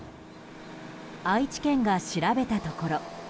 愛知県が調べたところ